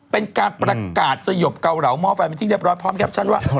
เป็นการประกาศสยบเกาเหลาหม้อไฟเป็นที่เรียบร้อยพร้อมแคปชั่นว่า